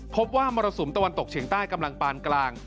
มรสุมตะวันตกเฉียงใต้กำลังปานกลาง